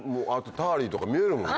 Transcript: タリーとか見えるもん。